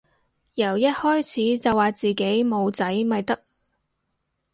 由一開始就話自己冇仔咪得